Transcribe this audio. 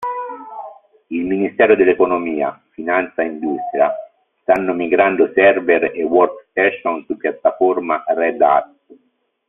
Il Ministero dell'Economia, Finanza e Industria, stanno migrando server e workstation su piattaforma Red Hat.